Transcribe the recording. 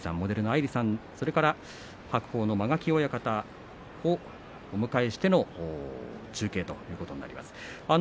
それから白鵬の間垣親方をお迎えしての中継ということになります。